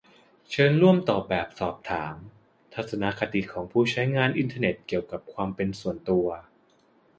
เชิญร่วมตอบแบบสอบถาม "ทัศนคติของผู้ใช้งานอินเทอร์เน็ตเกี่ยวกับความเป็นส่วนตัว"